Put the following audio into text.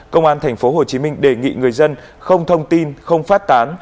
công an thành phố hồ chí minh đề nghị người dân không thông tin không phát tán